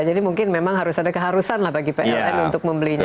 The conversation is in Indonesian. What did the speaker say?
jadi mungkin memang harus ada keharusan lah bagi pln untuk membelinya